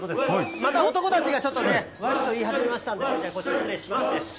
また男たちがちょっとね、わっしょい、言い始めましたので、こちらに失礼しました。